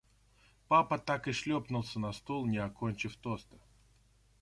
Папа так и шлепнулся на стул, не окончив тоста.